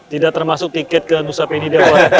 tidak termasuk tiket ke nusa pini dia buat ambil gambarnya ya